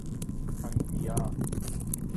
آندیا